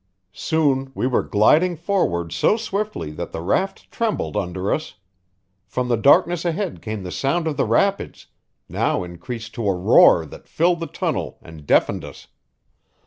Soon we were gliding forward so swiftly that the raft trembled under us; from the darkness ahead came the sound of the rapids, now increased to a roar that filled the tunnel and deafened us.